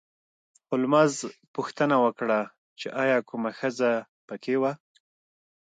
هولمز پوښتنه وکړه چې ایا کومه ښځه په کې وه